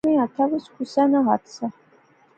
اس نے ہتھے وچ کسے نا ہتھ سا